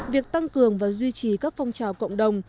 việc tăng cường và duy trì các phong trào cộng đồng